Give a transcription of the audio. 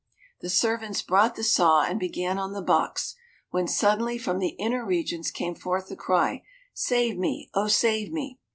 The servants brought the saw and began on the box, when suddenly from the inner regions came forth a cry, "Save me; oh, save me!"